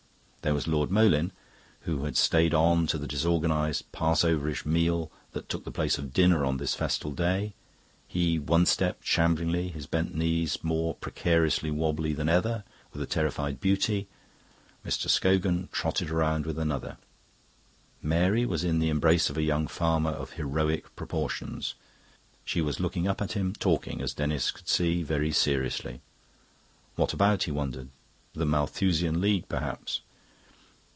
There was Lord Moleyn, who had stayed on to the disorganised, passoverish meal that took the place of dinner on this festal day; he one stepped shamblingly, his bent knees more precariously wobbly than ever, with a terrified village beauty. Mr. Scogan trotted round with another. Mary was in the embrace of a young farmer of heroic proportions; she was looking up at him, talking, as Denis could see, very seriously. What about? he wondered. The Malthusian League, perhaps.